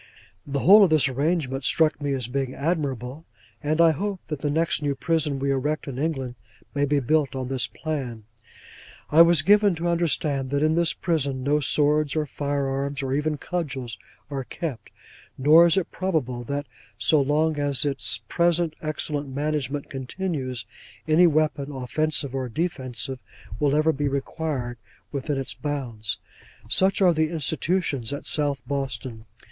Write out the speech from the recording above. The whole of this arrangement struck me as being admirable; and I hope that the next new prison we erect in England may be built on this plan. I was given to understand that in this prison no swords or fire arms, or even cudgels, are kept; nor is it probable that, so long as its present excellent management continues, any weapon, offensive or defensive, will ever be required within its bounds. Such are the Institutions at South Boston!